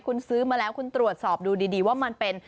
คุณซื้อมาแล้วคุณตรวจสอบดูดีว่ามันเป็น